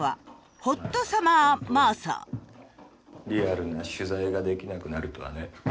リアルな取材ができなくなるとはね。